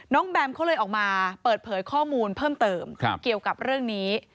แบมเขาเลยออกมาเปิดเผยข้อมูลเพิ่มเติมเกี่ยวกับเรื่องนี้